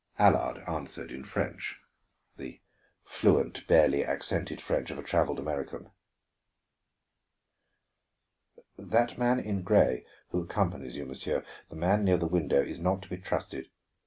Allard answered in French, the fluent, barely accented French of a traveled American: "That man in gray who accompanies you, monsieur, the man near the window, is not to be trusted.